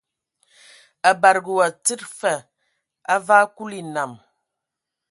A bade ka we tsid fa, a vaa Kulu enam.